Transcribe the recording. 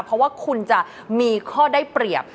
เพราะว่าคุณจะมีข้อได้เปรียบ